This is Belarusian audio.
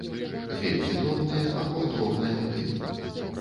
Вельмі дробныя або дробныя матылі.